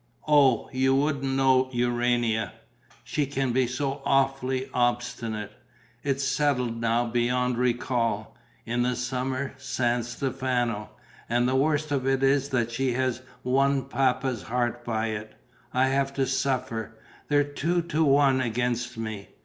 Oh, you wouldn't know Urania! She can be so awfully obstinate. It's settled now, beyond recall: in the summer, San Stefano. And the worst of it is that she has won Papa's heart by it. I have to suffer. They're two to one against me.